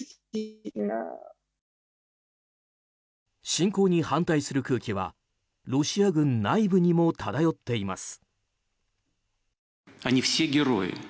侵攻に反対する空気はロシア軍内部にも漂っています。